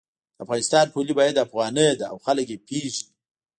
د افغانستان پولي واحد افغانۍ ده او خلک یی پیژني